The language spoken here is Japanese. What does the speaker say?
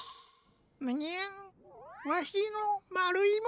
むにゃわしのまるいもの。